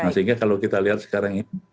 nah sehingga kalau kita lihat sekarang ini